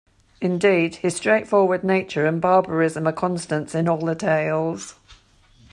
Indeed, his straightforward nature and barbarism are constants in all the tales.